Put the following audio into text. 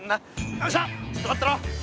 よいしょちょっと待ってろ。